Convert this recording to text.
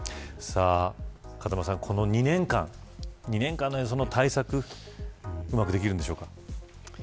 風間さん、この２年間の間にその対策うまくできるんでしょうか。